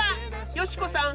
美子さん